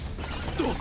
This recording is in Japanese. あっ！